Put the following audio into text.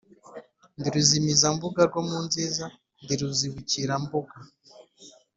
Ndi ruzimizambuga rwo mu nziza, ndi ruzibukirambuga